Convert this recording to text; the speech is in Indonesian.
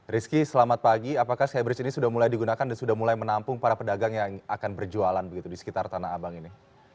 rizky selamat pagi apakah skybridge ini sudah mulai digunakan dan sudah mulai menampung para pedagang yang akan berjualan begitu di sekitar tanah abang ini